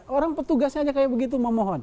orang petugasnya aja kayak begitu memohon